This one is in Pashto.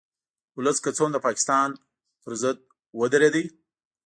ولس که څه هم د پاکستان په ضد ودرید